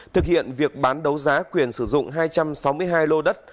thực hiện việc bán đấu giá quyền sử dụng hai trăm sáu mươi hai lô đất